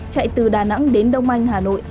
chạy từ đà nẵng đến đông anh hà nội